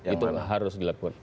itu harus dilakukan